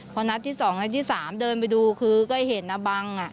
พอนัดที่๒นัดที่๓เดินไปดูคือก็เห็นนะบังอ่ะ